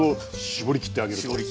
絞りきってあげる。